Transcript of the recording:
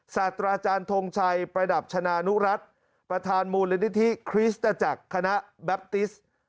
ศาสตราอาจารย์ทงชัยประดับชนะนุรัติประธานมูลนิธิคริสตจักรคณะแบปติส